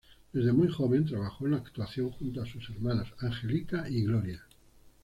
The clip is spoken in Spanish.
Desde muy joven trabajó en la actuación junto a sus hermanas Angelita y Gloria.